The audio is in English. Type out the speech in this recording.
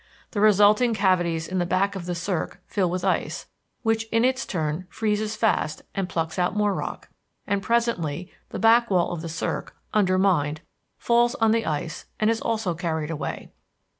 The resulting cavities in the back of the cirque fill with ice, which in its turn freezes fast and plucks out more rock. And presently the back wall of the cirque, undermined, falls on the ice and also is carried away.